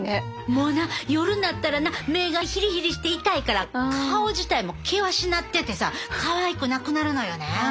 もうな夜になったらな目がヒリヒリして痛いから顔自体も険しなっててさかわいくなくなるのよね。